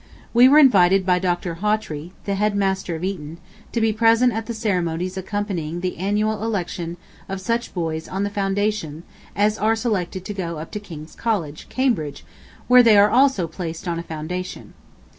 We were invited by Dr. Hawtrey, the Head Master of Eton, to be present at the ceremonies accompanying the annual election of such boys on the Foundation as are selected to go up to King's College, Cambridge, where they are also placed on a Foundation.